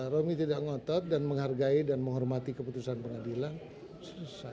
romi tidak ngotot dan menghargai dan menghormati keputusan pengadilan selesai